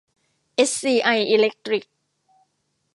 เอสซีไอ อีเลคตริค